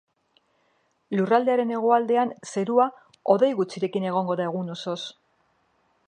Lurraldearen hegoaldean zerua hodei gutxirekin egongo da egun osoz.